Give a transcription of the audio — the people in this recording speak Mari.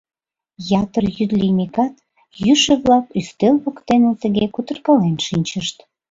Ятыр йӱд лиймекат, йӱшӧ-влак ӱстел воктене тыге кутыркален шинчышт.